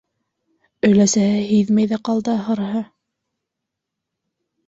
Өләсәһе һиҙмәй ҙә ҡалды, ахырыһы.